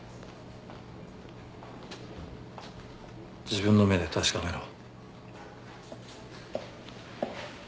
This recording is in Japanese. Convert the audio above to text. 自分の目で確かめろ。